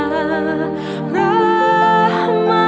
percayalah dengan saya